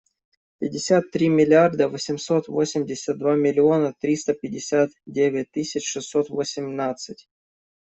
Пятьдесят три миллиарда восемьсот восемьдесят два миллиона триста пятьдесят девять тысяч шестьсот восемнадцать.